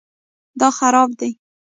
دا خراب دی